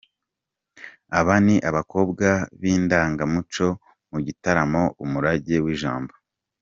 Aba ni abakobwa b’Indangamuco mu gitaramo "Umurage w’Ijambo".